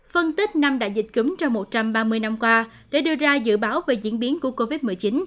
phân tích năm đại dịch cúm trong một trăm ba mươi năm qua để đưa ra dự báo về diễn biến của covid một mươi chín